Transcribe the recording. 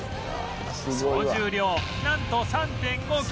総重量なんと ３．５ キロ